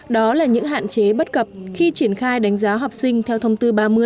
đó là những hạn chế bất cập khi triển khai đánh giá học sinh theo thông tư ba mươi